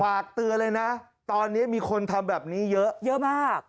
ฝากเตือนเลยนะตอนนี้มีคนทำแบบนี้เยอะเยอะมาก